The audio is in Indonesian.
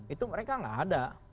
itu mereka gak ada